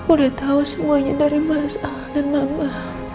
aku udah tahu semuanya dari mas al dan mama